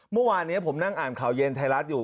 เมื่อวานนี้ผมนั่งอ่านข่าวเย็นไทยรัฐอยู่